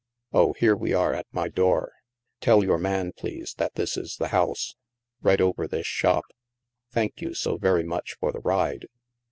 Oh, here we are at my door. Tell your man, please, that this is the house. Right over this shop. Thank you so very much for the ride."